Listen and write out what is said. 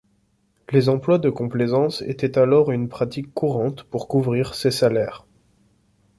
Les emplois de complaisance étaient alors une pratique courante pour couvrir ces salaires.